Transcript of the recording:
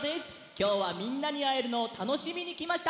きょうはみんなにあえるのをたのしみにきました。